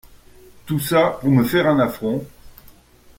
Tout ça, pour me faire un affront !